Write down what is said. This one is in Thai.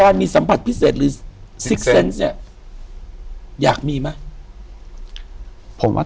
อยู่ที่แม่ศรีวิรัยิลครับ